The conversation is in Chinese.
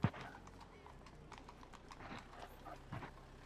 此校正因子和刀具的切削操作的长度之间的关系不是线性的。